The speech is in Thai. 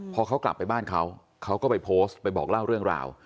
พอเขากลับไปบ้านเขาเขาก็ไปโพสต์ไปบอกเล่าเรื่องราว